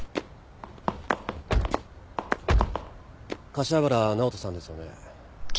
柏原直人さんですよね？